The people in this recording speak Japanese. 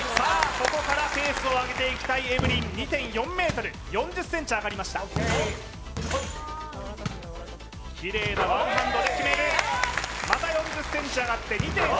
ここからペースをあげていきたいエブリン２．４ｍ４０ｃｍ上がりましたキレイなワンハンドで決めるまた４０ｃｍ上がって２．８